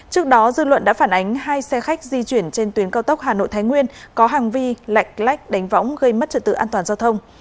trước đó dư luận đã phản ánh hai xe khách di chuyển trên tuyến cao tốc hà nội thái nguyên có hành vi lạnh lách đánh võng gây mất trật tự an toàn giao thông